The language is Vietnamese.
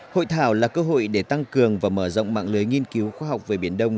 hội thảo là cơ hội để tăng cường và mở rộng mạng lưới nghiên cứu khoa học về biển đông